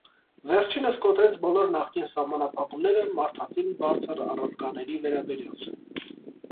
Վերջինս կոտրեց բոլոր նախկին սահմանափակումները մարդածին բարձր առարկաների վերաբերյալ։